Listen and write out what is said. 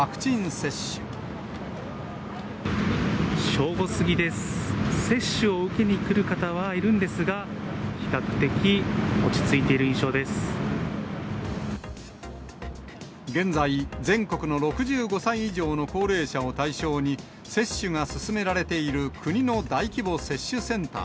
接種を受けに来る方はいるんですが、現在、全国の６５歳以上の高齢者を対象に、接種が進められている国の大規模接種センター。